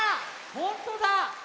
ほんとだ！